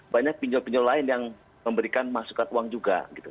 banyak pinjol pinjol lain yang memberikan masukan uang juga gitu